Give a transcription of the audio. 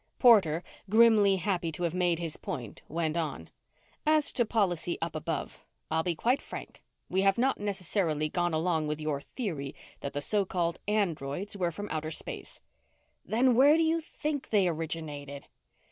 Porter, grimly happy to have made his point, went on. "As to policy up above, I'll be quite frank. We have not necessarily gone along with your theory that the so called androids were from outer space." "Then where do you think they originated?"